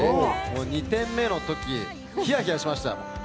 ２点目のとき、ひやひやしました。